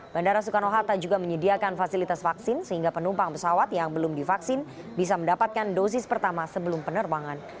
bandara soekarno hatta juga menyediakan fasilitas vaksin sehingga penumpang pesawat yang belum divaksin bisa mendapatkan dosis pertama sebelum penerbangan